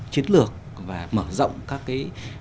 chiến lược và mở rộng các cái